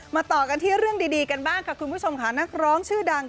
ต่อกันที่เรื่องดีกันบ้างค่ะคุณผู้ชมค่ะนักร้องชื่อดัง